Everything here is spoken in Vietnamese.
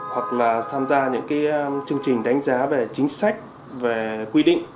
hoặc là tham gia những cái chương trình đánh giá về chính sách về quy định